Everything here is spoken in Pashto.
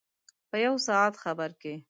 په یو ساعت خبر کې.